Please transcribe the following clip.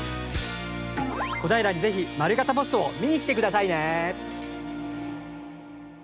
小平に、ぜひ丸型ポストを見に来てくださいね。